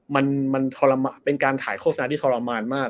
มันทรมานเป็นการถ่ายโฆษณาที่ทรมานมาก